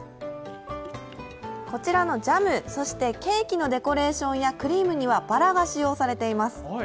こちらのジャム、ケーキのデコレーションやクリームにはバラが使用されています。